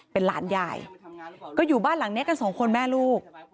เป็นหลานยายก็อยู่บ้านหลังนี้กันสองคนแม่ลูก